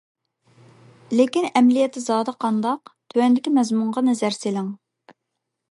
لېكىن ئەمەلىيەتتە زادى قانداق؟ تۆۋەندىكى مەزمۇنغا نەزەر سېلىڭ.